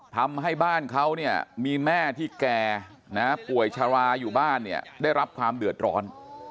ทำให้บ้านเขาเนี่ยมีแม่ที่แก่นะป่วยชะลาอยู่บ้านเนี่ยได้รับความเดือดร้อน